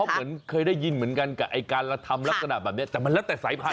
ก็เหมือนเคยได้ยินเหมือนกันกับไอ้การรัฐธรรมลักษณะแบบเนี้ยแต่มันละแต่สายพัน